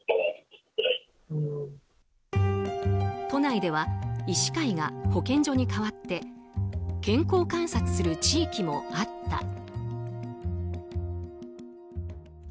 都内では医師会が保健所に代わって健康観察する地域もあった。